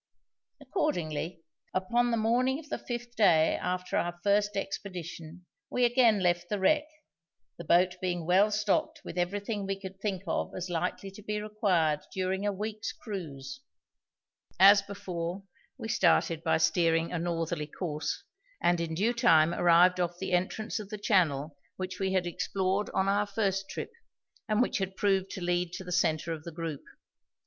Accordingly, upon the morning of the fifth day after our first expedition we again left the wreck, the boat being well stocked with everything we could think of as likely to be required during a week's cruise. As before, we started by steering a northerly course, and in due time arrived off the entrance of the channel which we had explored on our first trip, and which had proved to lead to the centre of the group.